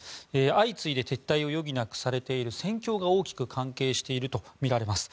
相次いで撤退を余儀なくされている戦況が大きく関係しているとみられます。